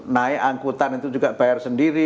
naik angkutan itu juga bayar sendiri